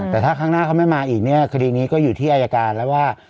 แต่ถ้าครั้งหน้าเขาไม่มาอีกเนี่ยคดีนี้ก็อยู่ที่อายการแล้วว่า